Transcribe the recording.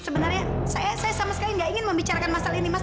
sebenarnya saya sama sekali tidak ingin membicarakan masalah ini mas